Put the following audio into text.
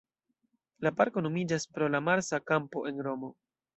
La parko nomiĝas pro la Marsa Kampo en Romo.